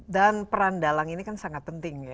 dan peran dalang ini kan sangat penting ya